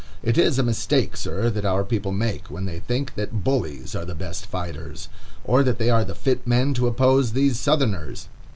It is a mistake, sir, that our people make, when they think that bullies are the best fighters, or that they are the fit men to oppose these Southerners.